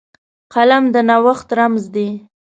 قلم د نوښت رمز دی